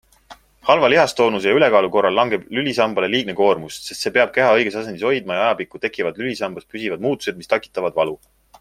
Halva lihastoonuse ja ülekaalu korral langeb lülisambale liigne koormus, sest see peab keha õiges asendis hoidma ja ajapikku tekivadki lülisambas püsivad muutused, mis tekitavad valu.